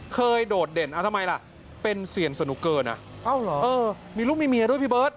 เคยโดดเด่นเอ้าทำไมละเป็นเซียนสนุกเกินอะเอ้าหรอเออมีลูกมีเมียด้วยพี่เบิ๊ศ